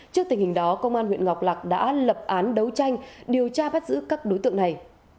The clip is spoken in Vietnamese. trước tình hình đó công an huyện ngọc lạc đã lập án đấu tranh điều tra bắt giữ các đối tượng này